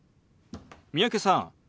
三宅さん